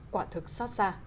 quả thực xót xa